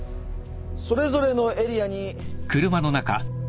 それぞれのエリアに。